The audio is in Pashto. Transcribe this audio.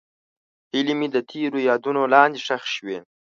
هیلې مې د تېر یادونو لاندې ښخې شوې.